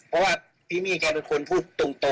เพราะว่าพิมีแกคือคนพูดตรงอ่ะ